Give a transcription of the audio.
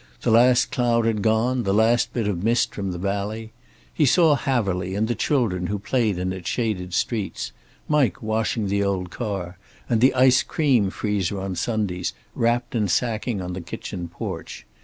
The last cloud had gone, the last bit of mist from the valley. He saw Haverly, and the children who played in its shaded streets; Mike washing the old car, and the ice cream freezer on Sundays, wrapped in sacking on the kitchen porch.